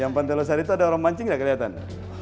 yang pantai lusari itu ada orang mancing nggak kelihatan